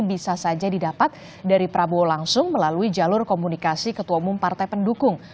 bisa saja didapat dari prabowo langsung melalui jalur komunikasi ketua umum partai pendukung